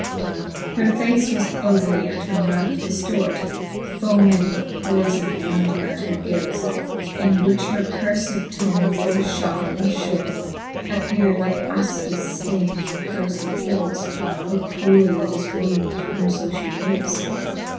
Her face was ugly, and her mouth diftort, Foming with poyfbn round about her gils, In which her curfed tongue full fharpe and Ihort Appear'd like Afpis fting, that clolely kils, Or cruelly does wound, whom (b fhe wils.